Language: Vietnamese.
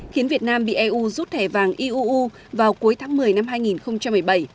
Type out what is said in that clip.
khiến việt nam bị eu rút thẻ vàng iuu vào cuối tháng một mươi năm hai nghìn một mươi bảy